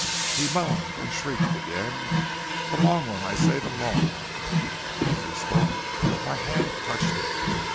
He moaned and shrieked again. }{}{ "'The long one, I say, the long one!' }{}{ "As he spoke my hand touched it.